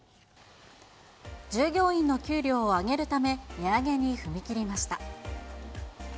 従業員の給料を上げるため、値上げに踏み切りました。